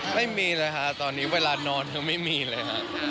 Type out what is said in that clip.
ไม่มีเลยค่ะตอนนี้เวลานอนยังไม่มีเลยฮะ